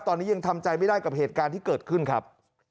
ตอนนี้ยังทำใจไม่ได้กับเหตุการณ์ที่เกิดขึ้นครับ